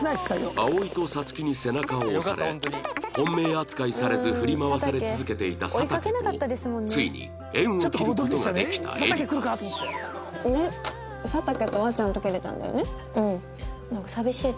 葵と皐月に背中を押され本命扱いされず振り回され続けていた佐竹とついに縁を切ることができたエリカ